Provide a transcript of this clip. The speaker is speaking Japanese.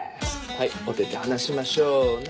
はいお手手離しましょうね。